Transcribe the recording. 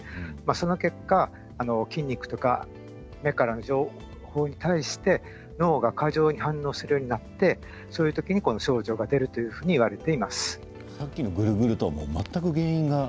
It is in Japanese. その結果、筋肉とか目からの情報に対して脳が過剰反応するようになって症状が出るといわれています。